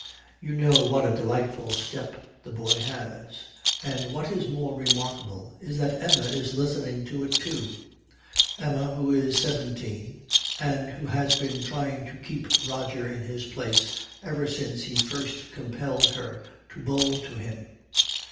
You, know what a delightful step the boy has. And what is more remarkable is that Emma is listening to it too, Emma who is seventeen, and who has been trying to keep Roger in his place ever since he first compelled her to bowl to him.